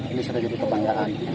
ini sudah jadi kebanggaan